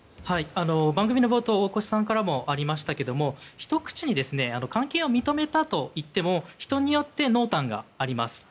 番組の冒頭大越さんからもありましたがひと口に関係を認めたといっても人によって濃淡があります。